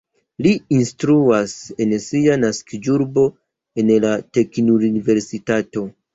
Li instruas en sia naskiĝurbo en la teknikuniversitato.